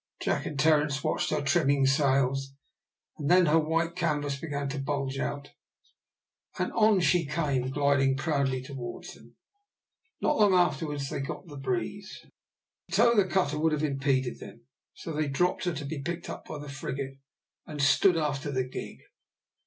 Jack and Terence watched her trimming sails, and then her white canvas began to bulge out, and on she came gliding proudly towards them. Not long afterwards they got the breeze. To tow the cutter would have impeded them, so they dropped her to be picked up by the frigate and stood after the gig.